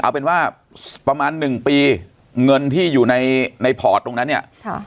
เอาเป็นว่าประมาณหนึ่งปีเงินที่อยู่ในพอร์ตตรงนั้นเนี่ย